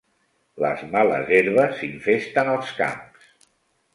Les males herbes infesten els camps.